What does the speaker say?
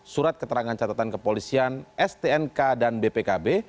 surat keterangan catatan kepolisian stnk dan bpkb